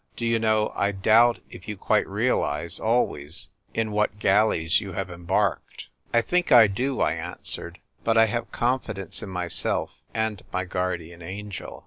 " Do you know, I doubt if you quite realise always in what galleys you have embarked." "I think I do," I answered : "but I have confidence in myself and my guardian angel."